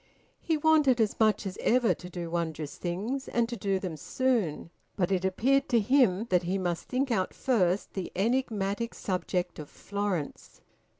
He wanted as much as ever to do wondrous things, and to do them soon, but it appeared to him that he must think out first the enigmatic subject of Florence.